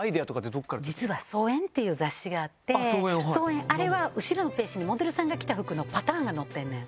実は『装苑』っていう雑誌があってあれは後ろのページにモデルさんが着た服のパターンが載ってんねん。